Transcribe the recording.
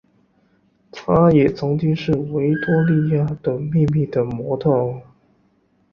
她也曾经是维多利亚的秘密的模特儿。